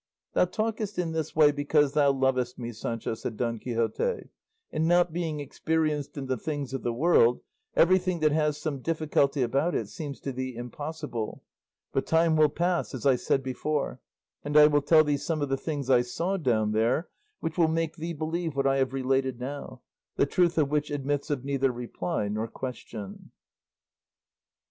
"Thou talkest in this way because thou lovest me, Sancho," said Don Quixote; "and not being experienced in the things of the world, everything that has some difficulty about it seems to thee impossible; but time will pass, as I said before, and I will tell thee some of the things I saw down there which will make thee believe what I have related now, the truth of which admits of neither reply nor question."